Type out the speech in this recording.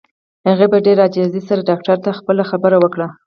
هغې په ډېره عاجزۍ سره ډاکټر ته خپله خبره وکړه.